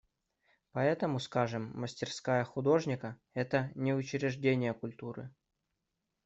Поэтому, скажем, мастерская художника – это не учреждение культуры.